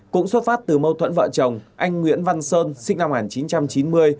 cũng xuất phát từ mâu thuẫn vợ chồng anh nguyễn văn sơn sinh năm một nghìn chín trăm chín mươi